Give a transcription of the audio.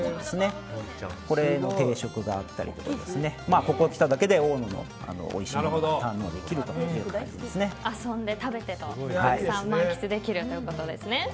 これの定食があったりここに来ただけで大野のおいしいものが遊んで、食べてと満喫できるということですね。